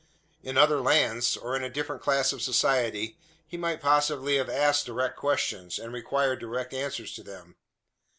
In other lands, or in a different class of society, he might possibly have asked direct questions, and required direct answers to them.